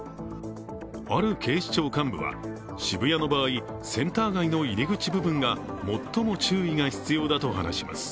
ある警視庁幹部は渋谷の場合センター街の入り口部分が最も注意が必要だと話します。